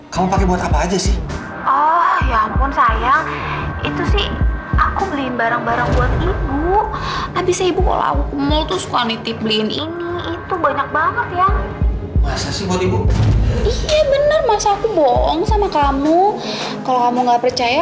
sampai jumpa di video selanjutnya